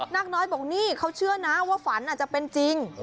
นากน้อยบอกนี่เขาเชื่อนะว่าฝันอาจจะเป็นจริง